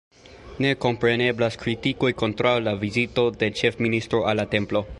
Ne kompreneblas kritikoj kontraŭ la vizito de ĉefministro al la templo.